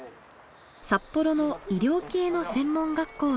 札幌の医療系の専門学校へ。